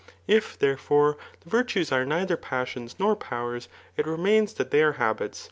If, there^ lore, the virtues are neither passions nor powers, it remains that they are habits.